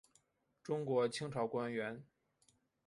中国清朝官员。